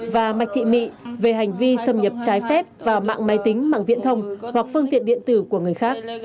và mạch thị mị về hành vi xâm nhập trái phép vào mạng máy tính mạng viễn thông hoặc phương tiện điện tử của người khác